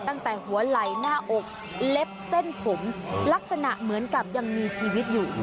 ตั้งแต่หัวไหล่หน้าอกเล็บเส้นผมลักษณะเหมือนกับยังมีชีวิตอยู่